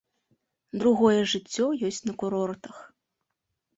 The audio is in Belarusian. Другое жыццё ёсць на курортах.